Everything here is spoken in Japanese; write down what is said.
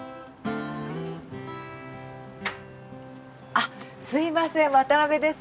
あっすいません渡です。